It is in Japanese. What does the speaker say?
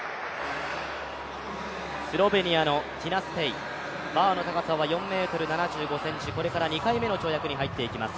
スロベニアのティナ・ステイ、バーの高さは４ｍ７５ｃｍ、これから２回目の跳躍に入っていきます。